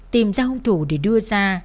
tìm ra hùng thủ để đưa ra